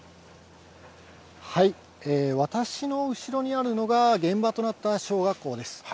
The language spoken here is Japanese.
私の後ろにあるのが、現場となった小学校です。